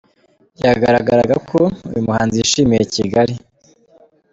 Byagaragaraga ko uyu muhanzi yishimiye Kigali.